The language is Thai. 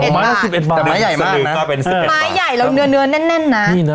ไม้ใหญ่มากนะ